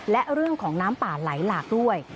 และเรื่องของน้ำป่าไหลหลากด้วย